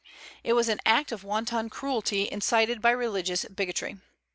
It was an act of wanton cruelty incited by religious bigotry.